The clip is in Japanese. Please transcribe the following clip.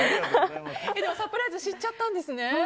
サプライズ知っちゃったんですね。